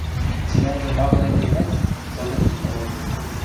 – Цилӓнжок агылеп гӹнят, содыки ылыт.